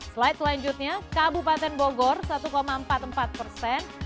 slide selanjutnya kabupaten bogor satu empat puluh empat persen